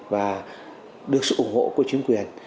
và được sự ủng hộ của chính quyền